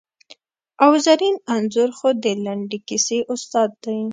او زرین انځور خو د لنډې کیسې استاد دی!